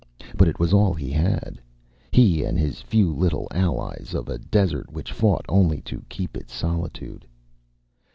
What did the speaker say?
But it was all he had, he and his few little allies of a desert which fought only to keep its solitude.